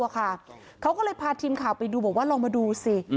เขาก็เลยพาทีมข่าวไปดูบอกว่าลองมาดูสิ